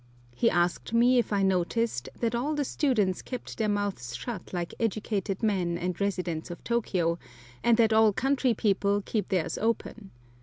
He asked me if I noticed that all the students kept their mouths shut like educated men and residents of Tôkiyô, and that all country people keep theirs open.